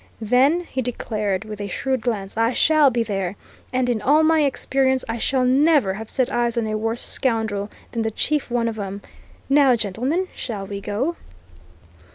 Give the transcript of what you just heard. Then," he declared, with a shrewd glance, "I shall be there and in all my experience I shall never have set eyes on a worse scoundrel than the chief one of 'em! Now, gentlemen, shall we go?"